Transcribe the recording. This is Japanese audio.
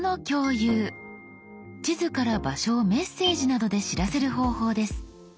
地図から場所をメッセージなどで知らせる方法です。